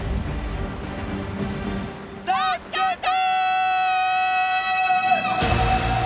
助けて！